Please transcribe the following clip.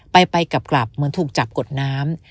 ไปกลับเหมือนถูกจับกดน้ำ